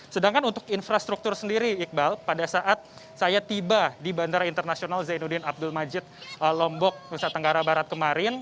sedangkan untuk infrastruktur sendiri iqbal pada saat saya tiba di bandara internasional zainuddin abdul majid lombok nusa tenggara barat kemarin